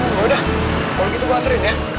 oh udah kalo gitu gua anterin ya